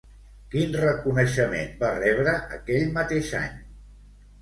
Quin reconeixement va rebre aquell mateix any?